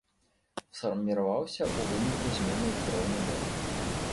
Сфарміраваўся ў выніку змены ўзроўню мора.